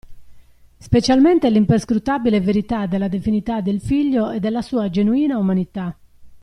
Specialmente l'imperscrutabile verità della divinità del Figlio e della sua genuina umanità.